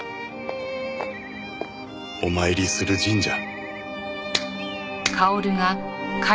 お参りする神社。